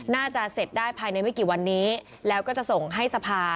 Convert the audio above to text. น่าจะเสร็จได้ภายในไม่กี่วันนี้แล้วก็จะส่งให้สภา